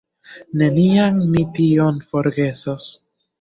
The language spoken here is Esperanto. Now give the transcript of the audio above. Neniam mi tion forgesos!